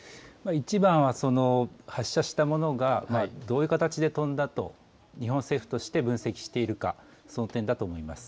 一番はその発射したものがどういう形で飛んだと、日本政府として分析しているか、その点だと思います。